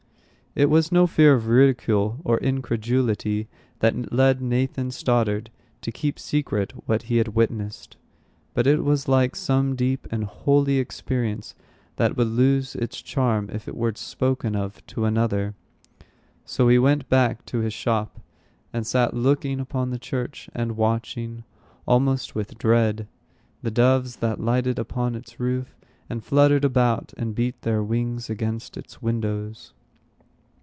It was no fear of ridicule or of incredulity that led Nathan Stoddard to keep secret what he had witnessed. But it was like some deep and holy experience that would lose its charm if it were spoken of to another. So he went back to his shop, and sat looking upon the church, and watching, almost with dread, the doves that lighted upon its roof, and fluttered about, and beat their wings against its windows.